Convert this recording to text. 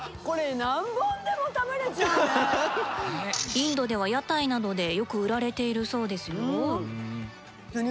インドでは屋台などでよく売られているそうですよ。